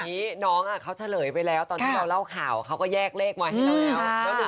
ทีนี้น้องเขาเฉลยไปแล้วตอนที่เราเล่าข่าวเขาก็แยกเลขมาให้เราแล้ว